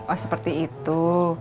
oh seperti itu